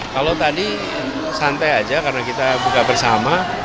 kalau tadi santai aja karena kita buka bersama